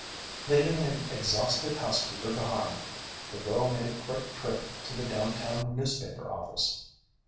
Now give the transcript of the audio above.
Leaving an exhausted housekeeper behind, the girl made a quick trip to the downtown newspaper office.